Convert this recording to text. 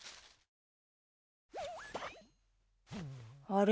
あれ？